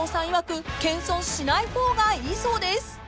いわく謙遜しない方がいいそうです］